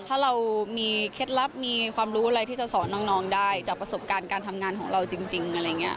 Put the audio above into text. ถ้าเรามีเคล็ดลับมีความรู้อะไรที่จะสอนน้องได้จากประสบการณ์การทำงานของเราจริงอะไรอย่างนี้